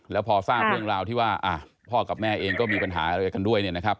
แล้วพอทราบเรื่องราวที่ว่าพ่อกับแม่เองก็มีปัญหาอะไรกันด้วยเนี่ยนะครับ